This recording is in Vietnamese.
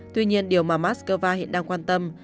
tuy nhiên điều mà moscow hiện đang quan tâm